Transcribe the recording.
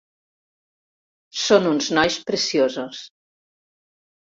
Són uns nois preciosos.